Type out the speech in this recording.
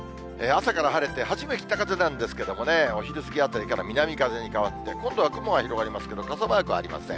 朝から晴れて、初め北風なんですけれどもね、お昼過ぎあたりから南風に変わって、今度は雲が広がりますけれども、傘マークはありません。